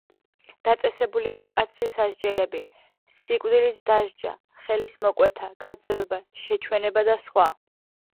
დაწესებულია მკაცრი სასჯელები: სიკვდილით დასჯა, ხელის მოკვეთა, გაძევება, შეჩვენება და სხვა.